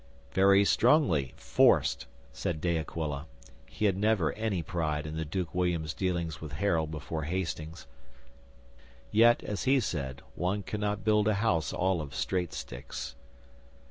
'"Very strongly, forced," said De Aquila. He had never any pride in the Duke William's dealings with Harold before Hastings. Yet, as he said, one cannot build a house all of straight sticks.